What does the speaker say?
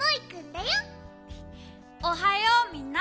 おはようみんな。